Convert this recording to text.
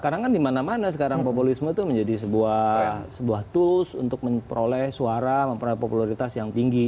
karena kan di mana mana sekarang populisme itu menjadi sebuah tools untuk memperoleh suara memperoleh popularitas yang tinggi